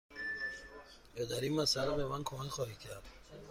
یا در این مسأله به من کمک خواهید کرد؟